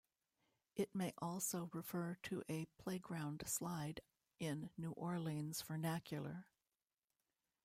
It may also refer to a playground slide in New Orleans vernacular.